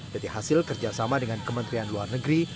dari hasil kerjasama dengan kementerian luar negeri